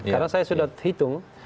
karena saya sudah hitung